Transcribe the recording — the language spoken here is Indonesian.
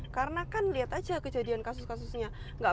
karena kan lihat aja kejadian kasus kasusnya